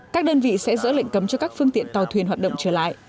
các đơn vị sẽ dỡ lệnh cấm cho các phương tiện tàu thuyền hoạt động trở lại